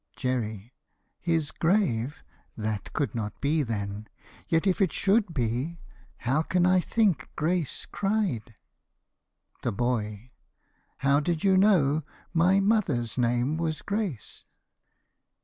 JERRY. His grave! (That could not be, then.) Yet if it should be, How can I think Grace cried THE BOY. How did you know My mother's name was Grace?